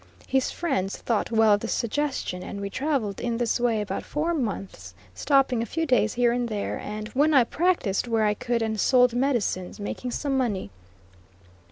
His friends thought well of the suggestion, and we traveled in this way about four months, stopping a few days here and there, when I practiced where I could, and sold medicines, making some money.